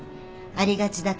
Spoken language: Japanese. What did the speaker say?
ありがちだ。